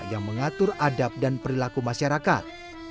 yang mengatur adab dan perilaku masyarakat